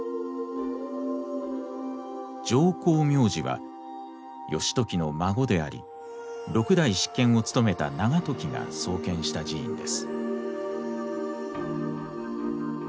浄光明寺は義時の孫であり六代執権を務めた長時が創建した寺院です。